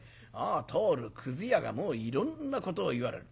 通るくず屋がいろんなことを言われる。